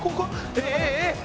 えっ？